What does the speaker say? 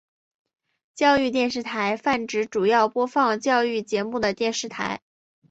教育电视台泛指主要播放教育节目的电视台。